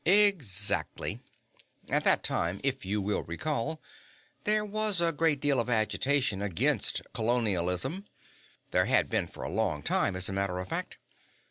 "Exactly. At that time, if you will recall, there was a great deal of agitation against colonialism there had been for a long time, as a matter of fact.